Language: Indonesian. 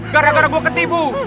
gara gara gue ketipu